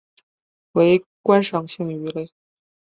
为观赏性鱼类。